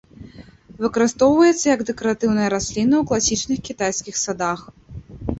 Выкарыстоўваецца як дэкаратыўная расліна ў класічных кітайскіх садах.